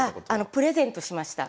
プレゼントしました。